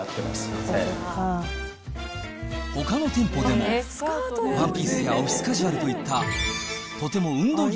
他の店舗でもワンピースやオフィスカジュアルといったとても。